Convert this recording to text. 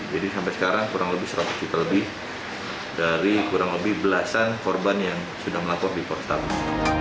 jadi sampai sekarang kurang lebih seratus juta lebih dari kurang lebih belasan korban yang sudah melapor di portal